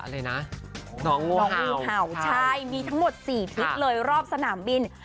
ใช่มีทั้งหมด๔ทิศเลยรอบสนามบิน